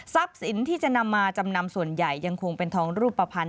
สินที่จะนำมาจำนำส่วนใหญ่ยังคงเป็นทองรูปภัณฑ์